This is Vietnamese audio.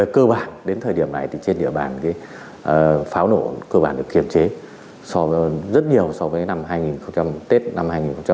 cơ bản đến thời điểm này thì trên địa bàn pháo nổ cơ bản được kiểm chế rất nhiều so với năm tết năm hai nghìn hai mươi ba